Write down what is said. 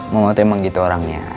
mama tuh emang gitu orangnya